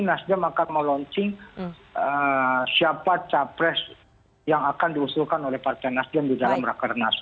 nasdem akan melaunching siapa capres yang akan diusulkan oleh partai nasdem di dalam rakernas